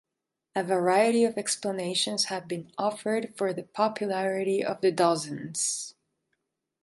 A variety of explanations have been offered for the popularity of the Dozens.